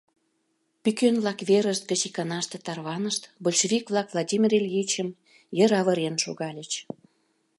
Пӱкен-влак верышт гыч иканаште тарванышт, большевик-влак Владимир Ильичым йыр авырен шогальыч.